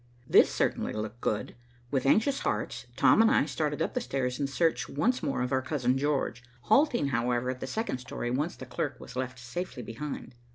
This certainly looked good. With anxious hearts, Tom and I started up the stairs in search once more of our Cousin George, halting, however, at the second story, once the clerk was left safely behind.